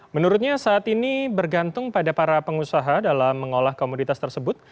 menurutnya saat ini bergantung pada para pengusaha dalam mengolah komoditas tersebut